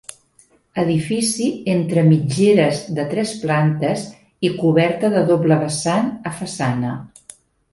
Edifici entre mitgeres de tres plantes i coberta de doble vessant a façana.